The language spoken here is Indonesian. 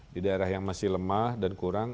di daerah yang masih lemah dan kurang